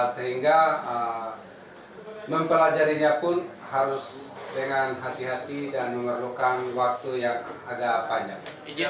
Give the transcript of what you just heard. sehingga mempelajarinya pun harus dengan hati hati dan memerlukan waktu yang agak panjang